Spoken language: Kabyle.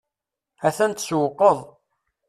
A-t-an tsewqeḍ.